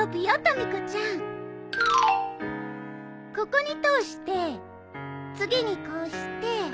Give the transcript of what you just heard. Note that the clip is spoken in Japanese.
ここに通して次にこうして。